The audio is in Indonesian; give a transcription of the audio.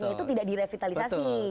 itu tidak direvitalisasi